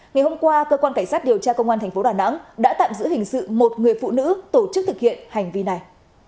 ngày hôm qua cơ quan cảnh sát điều tra công an tp đà nẵng đã tạm giữ hình sự một người phụ nữ tổ chức thực hiện hành vi này